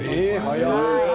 早い。